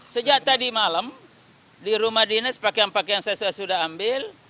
sejak tadi malam di rumah dinas pakaian pakaian saya sudah ambil